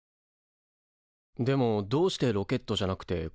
でもどうしてロケットじゃなくて車で？